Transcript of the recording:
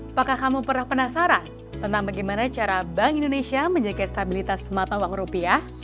apakah kamu pernah penasaran tentang bagaimana cara bank indonesia menjaga stabilitas mata uang rupiah